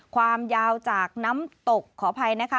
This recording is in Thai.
ความยาวจากน้ำตกขออภัยนะคะ